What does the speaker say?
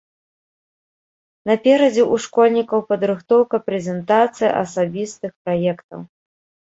Наперадзе ў школьнікаў падрыхтоўка прэзентацыі асабістых праектаў.